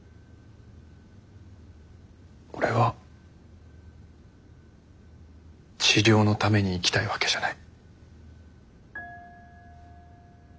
俺は治療のために生きたいわけじゃない。